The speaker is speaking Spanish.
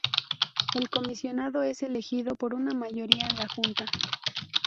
El comisionado es elegido por una mayoría en la Junta.